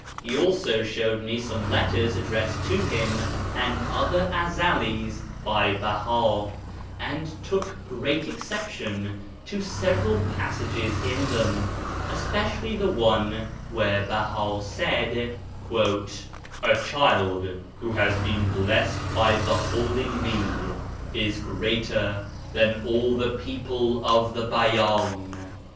He also showed me some letters addressed to him and other Ezelis by Beha, and took great exception to several passages in them, especially to one where Beha said, " A child who has been blessed by beholding me is greater than all the people of the Beyan."